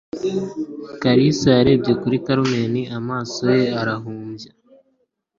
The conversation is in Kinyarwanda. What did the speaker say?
Kalisa yarebye kuri Carmen, amaso ye arahumbya.